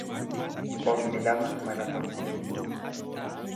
Ormi lama mana tokko hin bulu.